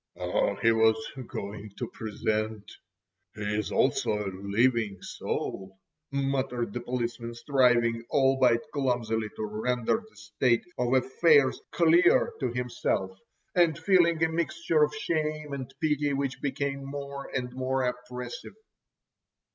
"He was going to present——" "He is also a living soul," muttered the policeman, striving albeit clumsily to render the state of affairs clear to himself, and feeling a mixture of shame and pity, which became more and more oppressive.